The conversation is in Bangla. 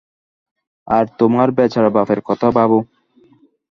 আর তোমার বেচারা বাপের কথা ভাবো।